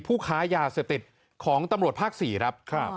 ผู้ค้ายาเสพติดของตำรวจภาค๔ครับ